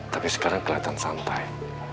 tapi sekarang keliatan santai